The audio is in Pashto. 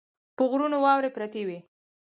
پر غرونو واورې پرتې وې.